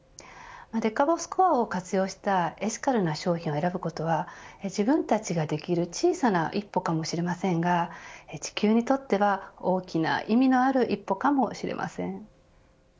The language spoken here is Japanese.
デカボスコアを活用したエシカルな商品を選ぶことは自分たちができる小さな一歩かもしれませんが地球にとっては大きな意味のある一歩かもしれません。